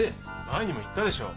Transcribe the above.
前にも言ったでしょ。